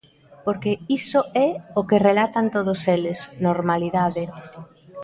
Porque iso é o que relatan todos eles: normalidade.